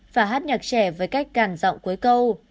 phải hát nhạc trẻ với cách càng rộng cuối câu